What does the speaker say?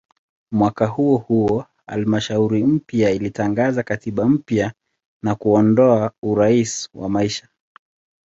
Mwaka huohuo halmashauri mpya ilitangaza katiba mpya na kuondoa "urais wa maisha".